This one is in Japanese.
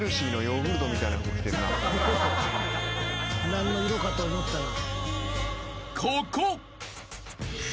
何の色かと思ったら。